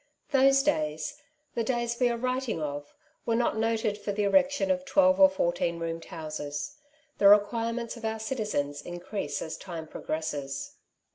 Those days — the days we are writing of — were not noted for the erection of twelve or fourteen roomed houses. The requirements of our citizens increase as time progresses.